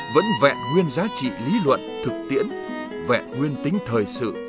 vẫn vẹn nguyên giá trị lý luận thực tiễn vẹn nguyên tính thời sự